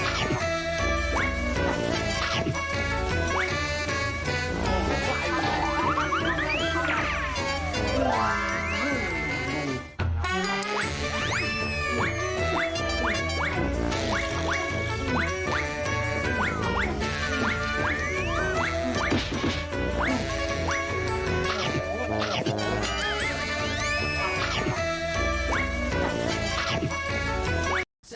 ปัญหาต้องกลุ่มอาจจะโดดเข้ามานะคะ